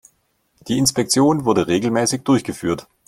Die Inspektion wurde regelmäßig durchgeführt.